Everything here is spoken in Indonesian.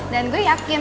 dan gue yakin